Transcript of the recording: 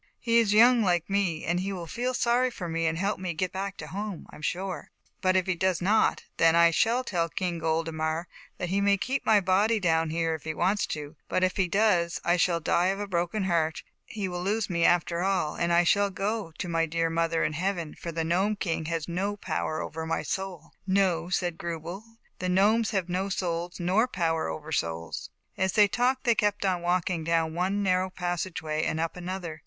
He is young, like me, and he will feel sorry for me and help me to get back home, I am sure. But if he does not, then I shall tell King Goldemar, that he may keep my body down here if he wants to, but if he does I shall die of a broken heart, so he will lose me v 160 ZAUBERLINDA, THE WISE WITCH. after all, and I shall go to my dear mother in heaven, for the Gnome King has no power over my soul." "No," said Grubel, "the Gnomes have no souls nor power over souls." "As they talked they kept on walking down one narrow passage way and up another.